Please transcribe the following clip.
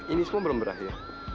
ini semua belum berakhir